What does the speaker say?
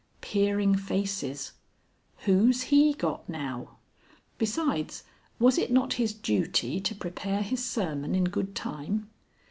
Peering faces. "Who's he got now?" Besides, was it not his duty to prepare his sermon in good time?